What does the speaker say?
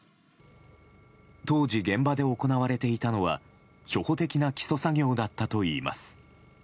当時、現場で行われていたのは初歩的な基礎作業だったといいます。